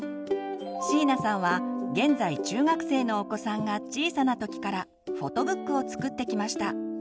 椎名さんは現在中学生のお子さんが小さな時からフォトブックを作ってきました。